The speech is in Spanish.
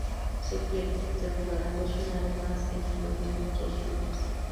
Si pierde, se jugarán dos finales más entre los mismos dos clubes.